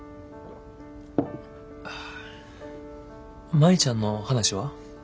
舞ちゃんの話は？